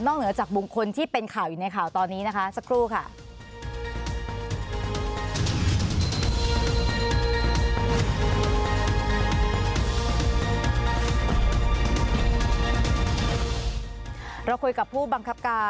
เหนือจากบุคคลที่เป็นข่าวอยู่ในข่าวตอนนี้นะคะสักครู่ค่ะ